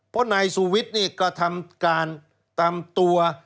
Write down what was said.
เพราะนายสุวิทธิ์ก็ทำตามตัว